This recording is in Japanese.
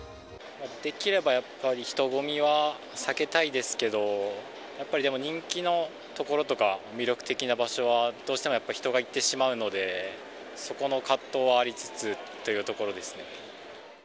できればやっぱり人混みは避けたいですけど、やっぱりでも、人気の所とか魅力的な場所はどうしてもやっぱ人が行ってしまうので、そこの葛藤はありつつっていうところですね。